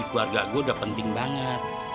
keluarga gue udah penting banget